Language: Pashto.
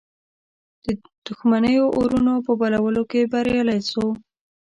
دښمنیو اورونو په بلولو کې بریالی سو.